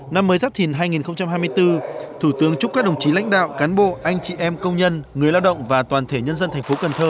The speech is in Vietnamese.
năm mới giáp thìn hai nghìn hai mươi bốn thủ tướng chúc các đồng chí lãnh đạo cán bộ anh chị em công nhân người lao động và toàn thể nhân dân thành phố cần thơ